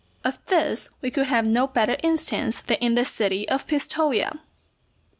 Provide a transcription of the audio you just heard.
Of this we could have no better instance than in the city of Pistoja.